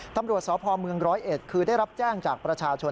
ตำรวจสพเมืองร้อยเอ็ดคือได้รับแจ้งจากประชาชน